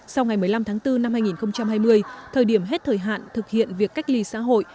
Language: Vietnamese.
sau ngày một mươi năm tháng bốn năm hai nghìn hai mươi thời điểm hết thời hạn thực hiện việc cách ly xã hội